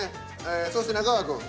そして中川くん。